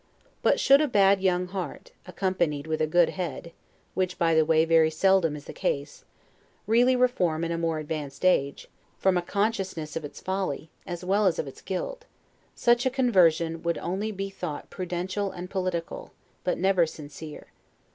But should a bad young heart, accompanied with a good head (which, by the way, very seldom is the case), really reform in a more advanced age, from a consciousness of its folly, as well as of its guilt; such a conversion would only be thought prudential and political, but never sincere.